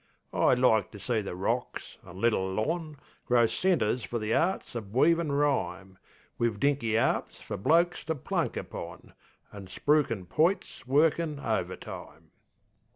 I'd like to see the Rocks an' Little Lon Grow centres for the art uv weavin' rhyme, Wiv dinky 'arps fer blokes to plunk upon, An' spruiking poits workin' overtime.